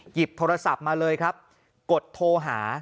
หยิบโทรศัพท์มาเลยครับกดโทรหา